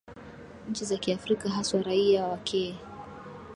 nchi za kiafrika haswa raia wakee